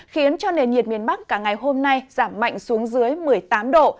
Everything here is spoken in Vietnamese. khiến cho nền nhiệt miền bắc cả ngày hôm nay giảm mạnh xuống dưới một mươi tám độ